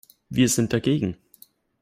Wir sind dagegen.